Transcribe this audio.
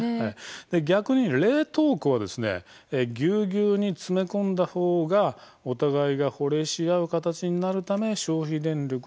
逆に冷凍庫はぎゅうぎゅうに詰め込んだほうがお互いが保冷し合う形になるため消費電力を減らせるんです。